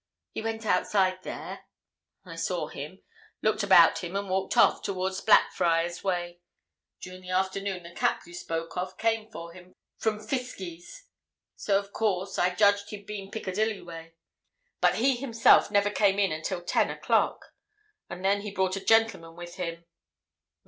He went outside there—I saw him—looked about him and walked off towards Blackfriars way. During the afternoon the cap you spoke of came for him—from Fiskie's. So, of course, I judged he'd been Piccadilly way. But he himself never came in until ten o'clock. And then he brought a gentleman with him."